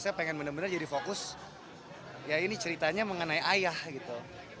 saya pengen benar benar jadi fokus ya ini ceritanya mengenai ayah gitu